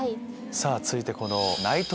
さぁ続いてこの。